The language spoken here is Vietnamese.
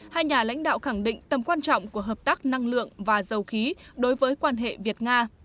hai nhà lãnh đạo khẳng định tầm quan trọng của hợp tác năng lượng và dầu khí đối với quan hệ việt nga